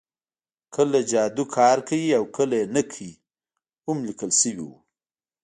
کله جادو کار کوي او کله نه کوي هم لیکل شوي وو